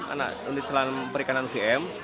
anak anak perikanan ugm